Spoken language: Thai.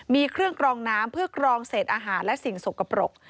มีเครื่องกรองน้ำเพื่อกรองเศษอาหารและสิ่งสกปรก